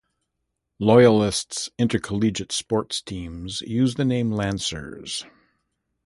Loyalist's intercollegiate sports teams use the name "Lancers".